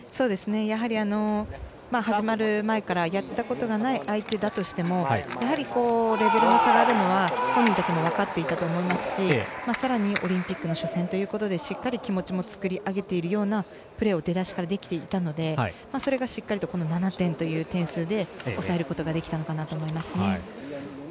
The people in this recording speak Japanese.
やはり、始まる前からやったことがない相手だとしてもやはり、レベルの差が出るのは本人たちも分かっていたと思いますしさらにオリンピックの初戦ということでしっかり気持ちを作り上げているようなプレーを出だしからできていたので、それがしっかりと７点という点数で抑えることができたのかなと思います。